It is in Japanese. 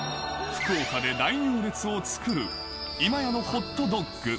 福岡で大行列を作る今屋のホットドッグ。